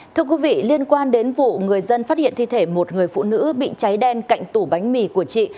thưa quý vị liên quan đến vụ người dân phát hiện thi thể một người phụ nữ bị cháy đen cạnh tủ bánh mì của chị